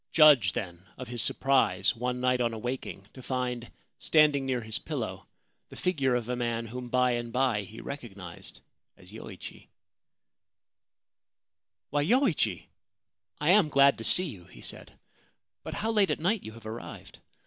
Judge, then, of his surprise, one night on awaking, to find, standing near his pillow, the figure of a man whom by and by he recognised as Yoichi !' Why, Yoichi ! I am glad to see you,' he said ;' but how late at night you have arrived